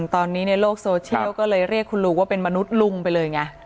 ตอนนี้ในโลกโซเชียลก็เลยเรียกคุณลุงว่าเป็นมนุษย์ลุงไปเลยไง